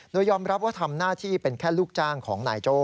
โดยยอมรับว่าทำหน้าที่เป็นแค่ลูกจ้างของนายโจ้